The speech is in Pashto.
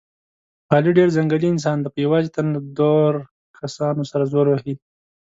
علي ډېر ځنګلي انسان دی، په یوازې تن له دور کسانو سره زور وهي.